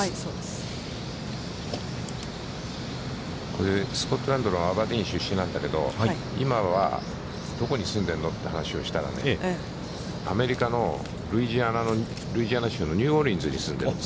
これ、スコットランドのアバディーン出身なんだけど、今はどこに住んでるのという話をしたら、アメリカのルイジアナ州のニューオリンズに住んでいると。